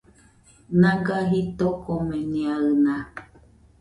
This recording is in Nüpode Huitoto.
Naga jitokomenɨaɨna